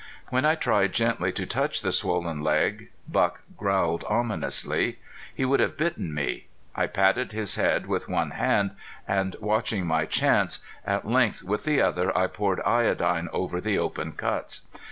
When I tried gently to touch the swollen leg Buck growled ominously. He would have bitten me. I patted his head with one hand, and watching my chance, at length with the other I poured iodine over the open cuts.